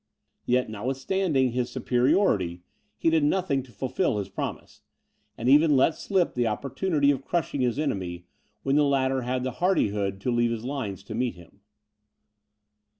Yet, notwithstanding his superiority, he did nothing to fulfil his promise; and even let slip the opportunity of crushing his enemy, when the latter had the hardihood to leave his lines to meet him.